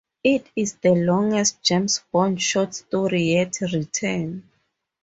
It is the longest James Bond short story yet written.